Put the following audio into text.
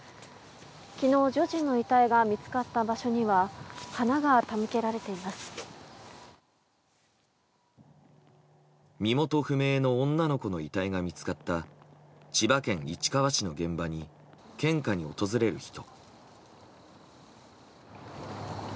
昨日、女児の遺体が見つかった場所には身元不明の女の子の遺体が見つかった千葉県市川市の現場に献花に訪れる人。